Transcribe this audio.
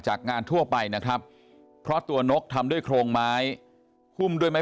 จากงานทั่วไปนะครับเพราะตัวนกทำด้วยโครงไม้หุ้มด้วยไม้